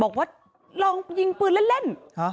บอกว่าลองยิงปืนเล่น